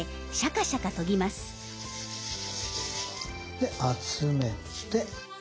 で集めて。